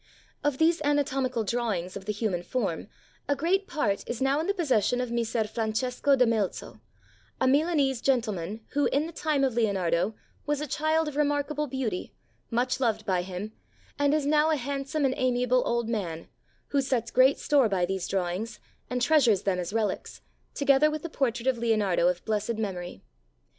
Of these anatomical drawings of the human form, a great part is now in the possession of Messer Francesco da Melzo, a Milanese gentleman, who, in the time of Leo nardo, was a child of remarkable beauty, much beloved by him, and is now a handsome and amiable old man, who sets great store by these drawings, and treasures them as relics, together with the portrait of Leonardo of blessed memory.